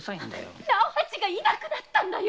直八がいなくなったんだよ。